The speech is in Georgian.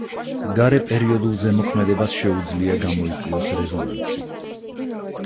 გარე პერიოდულ ზემოქმედებას შეუძლია გამოიწვიოს რეზონანსი.